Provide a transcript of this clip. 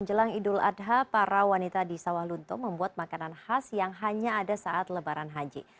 jelang idul adha para wanita di sawah lunto membuat makanan khas yang hanya ada saat lebaran haji